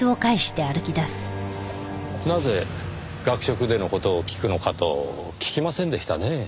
なぜ学食での事を聞くのかと聞きませんでしたねぇ。